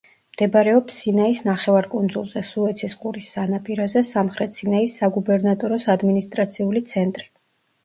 მდებარეობს სინაის ნახევარკუნძულზე, სუეცის ყურის სანაპიროზე, სამხრეთ სინაის საგუბერნატოროს ადმინისტრაციული ცენტრი.